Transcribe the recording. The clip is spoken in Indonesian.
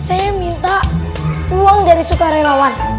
saya minta uang dari sukarelawan